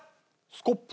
スコップ。